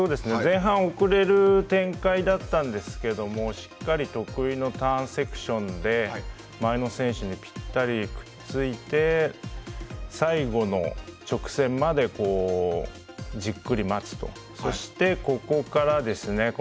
前半遅れる展開だったんですがしっかり得意のターンセクションで前の選手にぴったりくっついて最後の直線までじっくり待つそして、ここからですね。